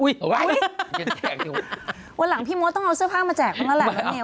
อุ๊ยวันหลังพี่โมทต้องเอาเสื้อผ้ามาแจกมันหลายอย่างนี้